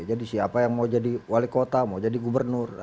jadi siapa yang mau jadi wali kota mau jadi gubernur